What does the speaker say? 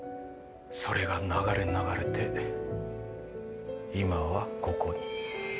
それが流れ流れて今はここに。